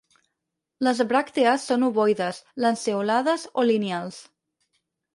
Les bràctees són ovoides, lanceolades o lineals.